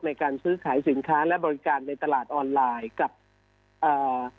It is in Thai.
ในการซื้อขายสินค้าและบริการในตลาดออนไลน์กับเอ่อ